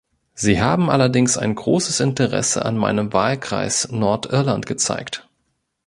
Sie haben allerdings ein großes Interesse an meinem Wahlkreis, Nordirland, gezeigt.